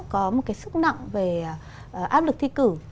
có một cái sức nặng về áp lực thi cử